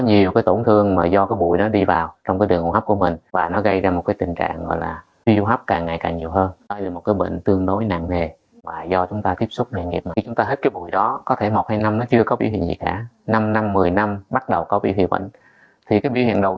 thể một hay năm nó chưa có biểu hiện gì cả năm năm một mươi năm bắt đầu có biểu hiện bệnh thì cái biểu hiện đầu